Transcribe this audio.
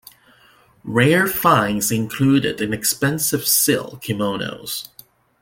Rare finds included inexpensive silk kimonos.